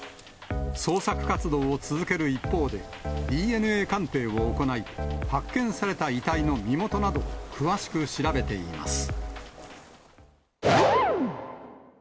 捜索活動を続ける一方で、ＤＮＡ鑑定を行い、発見された遺体の身元などを詳しく調べています。